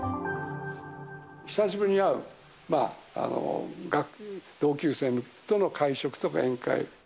久しぶり会う同級生との会食とか宴会。